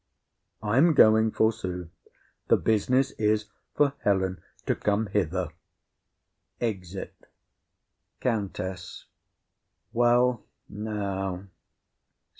I am going, forsooth; the business is for Helen to come hither. [Exit.] COUNTESS. Well, now.